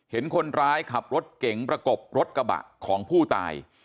เห็นคนร้ายขับรถเก๋งประกบรถกระบะของผู้ตาย